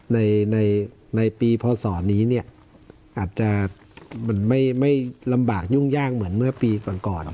ในปีพศนี้เนี่ยอาจจะไม่ลำบากยุ่งยากเหมือนเมื่อปีก่อน